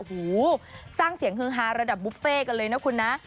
หูสร้างเสียงฮือฮาระดับบุฟเฟ่กันเลยนะคุณนะ